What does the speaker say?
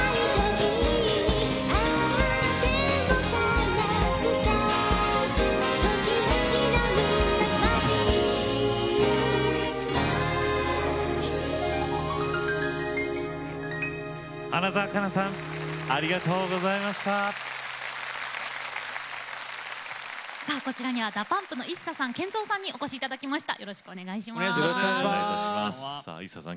こちらにはＤＡＰＵＭＰのＩＳＳＡさん